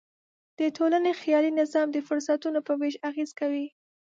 د ټولنې خیالي نظام د فرصتونو په وېش اغېز کوي.